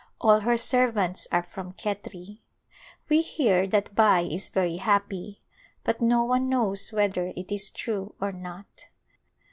All her servants are from Khetri. We hear that Bai is very happy but no one knows whether it is true or not.